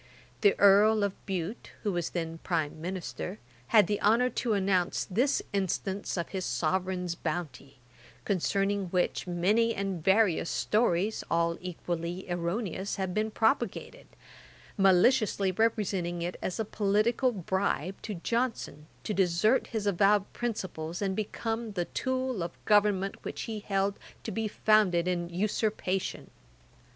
The Earl of Bute, who was then Prime Minister, had the honour to announce this instance of his Sovereign's bounty, concerning which, many and various stories, all equally erroneous, have been propagated: maliciously representing it as a political bribe to Johnson, to desert his avowed principles, and become the tool of a government which he held to be founded in usurpation.